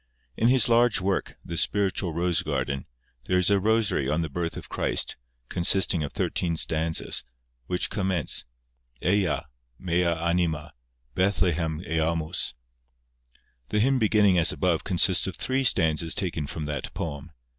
In his large work, the "Spiritual Rose garden," there is a rosary on the birth of Christ, consisting of thirteen stanzas, which commence, Eja, mea anima, Bethlehem eamus. The hymn beginning as above consists of three stanzas taken from that poem.